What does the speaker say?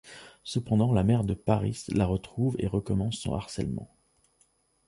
Cependant, la mère de Paris la retrouve et recommence son harcèlement.